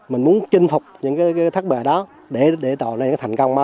mình muốn chinh phục những thắt bẹ đó để tạo ra những thành công mới